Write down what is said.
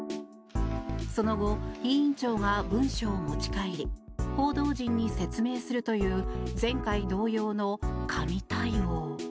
その後、委員長が文書を持ち帰り報道陣に説明するという前回同様の紙対応。